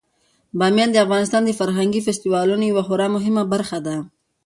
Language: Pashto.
بامیان د افغانستان د فرهنګي فستیوالونو یوه خورا مهمه برخه ده.